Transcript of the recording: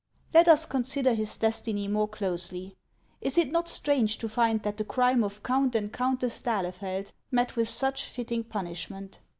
Let us consider his destiny more closely. Is it not strange to find that the crime of Count and Countess d'Ahlefeld met with such fitting punishment